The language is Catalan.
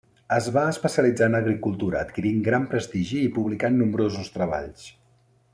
Es va especialitzar en agricultura, adquirint gran prestigi i publicant nombrosos treballs.